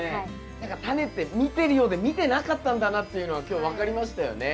何かタネって見てるようで見てなかったんだなっていうのが今日分かりましたよね。